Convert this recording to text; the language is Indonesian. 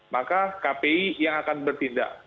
maka kpi yang akan bertindak